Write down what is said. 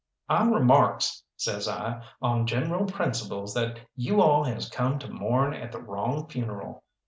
"I remarks," says I, "on general principles that you all has come to mourn at the wrong funeral.